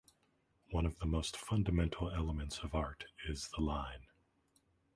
One of the most fundamental elements of art is the line.